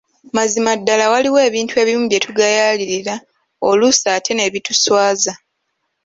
Mazima ddala waliwo ebintu ebimu bye tugayaalirira oluusi ate ne bituswaza.